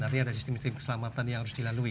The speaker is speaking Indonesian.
artinya ada sistem sistem keselamatan yang harus dilalui